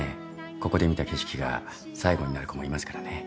ここで見た景色が最後になる子もいますからね。